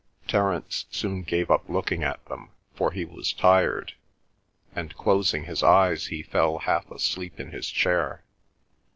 Terence soon gave up looking at them, for he was tired; and, closing his eyes, he fell half asleep in his chair.